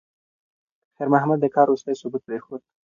خیر محمد د کار وروستی ثبوت پرېښود.